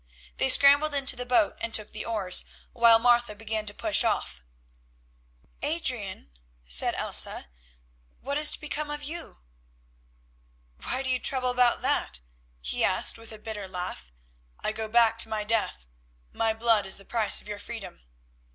They scrambled into the boat and took the oars, while Martha began to push off. "Adrian," said Elsa, "what is to become of you?" "Why do you trouble about that?" he asked with a bitter laugh. "I go back to my death, my blood is the price of your freedom.